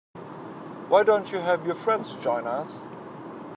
Why don't you have your friends join us?